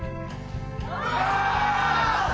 お！